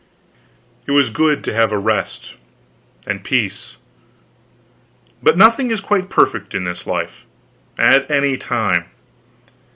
It was good to have a rest and peace. But nothing is quite perfect in this life, at any time.